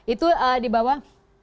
itu di bawah dua ribu lima belas